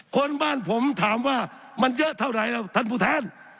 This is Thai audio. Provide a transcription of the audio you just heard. คนบ้านผมถามว่ามันเยอะเท่าไหร่แล้วท่านผู้แทน